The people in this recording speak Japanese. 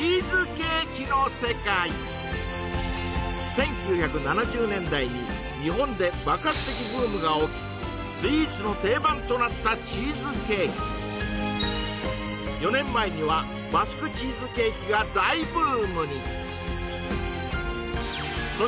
１９７０年代に日本で爆発的ブームが起きスイーツの定番となったチーズケーキ４年前にはバスクチーズケーキが大ブームに！